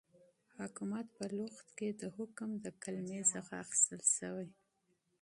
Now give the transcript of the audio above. حكومت په لغت كې دحكم دكلمې څخه اخيستل سوی